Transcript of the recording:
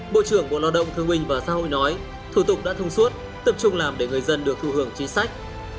bộ trưởng bộ lao động thương minh và xã hội nói thủ tục đã thông suốt tập trung làm để người dân được thụ hưởng chính sách